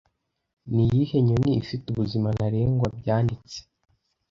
Niyihe nyoni ifite ubuzima ntarengwa bwanditse